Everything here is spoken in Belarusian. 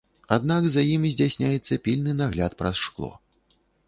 Аднак за ім здзяйсняецца пільны нагляд праз шкло.